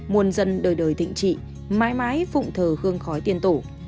mãi mãi phụng thờ hương khói tiền tổ